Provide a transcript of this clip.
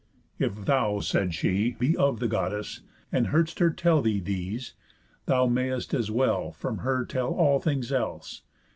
"If thou," said she, "be of the Goddesses, And heardst her tell thee these, thou mayst as well From her tell all things else.